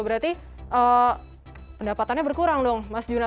berarti pendapatannya berkurang dong mas juna